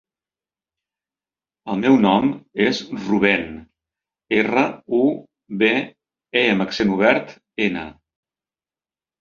El meu nom és Rubèn: erra, u, be, e amb accent obert, ena.